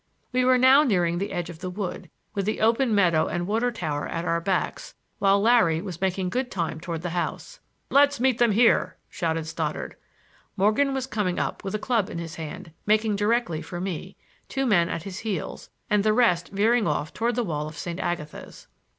We were now nearing the edge of the wood, with the open meadow and water tower at our backs, while Larry was making good time toward the house. "Let's meet them here," shouted Stoddard. Morgan was coming up with a club in his hand, making directly for me, two men at his heels, and the rest veering off toward the wall of St. Agatha's.